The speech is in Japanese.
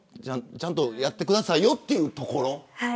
ちゃんとやってくださいよというところ。